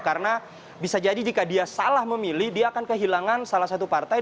karena bisa jadi jika dia salah memilih dia akan kehilangan salah satu partai